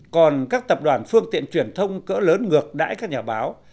còn các tập đoàn phương tiện truyền thông cỡ lớn ngược đãi các nhà báo